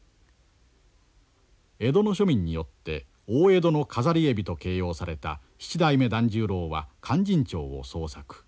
江戸の庶民によって大江戸の飾り海老と形容された七代目團十郎は「勧進帳」を創作。